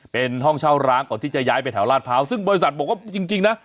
เป็นห้องเช่าร้างก่อนที่จะย้ายไปแถวลาดพร้าวซึ่งบริษัทบอกว่าจริงนะ